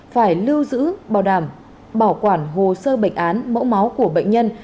phải lưu giữ bảo đảm bảo quản hồ sơ bệnh án mẫu máu của bệnh nhân